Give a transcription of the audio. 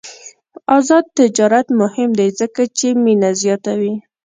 آزاد تجارت مهم دی ځکه چې مینه زیاتوي.